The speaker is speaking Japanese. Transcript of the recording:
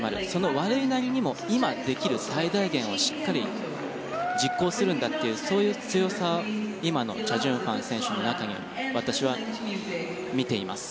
悪いなりにも今できる最大限をしっかり実行するんだというそういう強さ、今のチャ・ジュンファン選手の中に私は見ています。